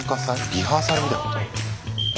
リハーサルみたいなこと？